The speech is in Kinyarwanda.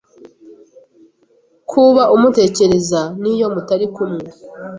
ko uba umutekereza n’iyo mutari kumwe.